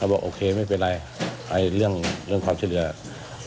บอกโอเคไม่เป็นไรเรื่องความช่วยเหลือ